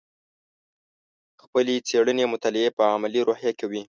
خپلې څېړنې او مطالعې په علمي روحیه کوې.